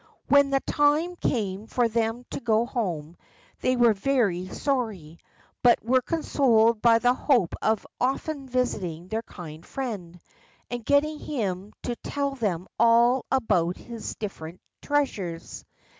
When the time came for them to go home, they were very sorry, but were consoled by the hope of often visiting their kind friend, and getting him to tell them all about his different treasures.